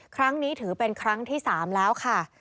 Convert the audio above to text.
ครั้งนี้ถือเป็นครั้งที่๓แล้วค่ะ